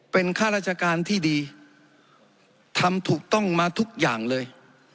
เป็นข้าราชการที่ดีทำถูกต้องมาทุกอย่างเลย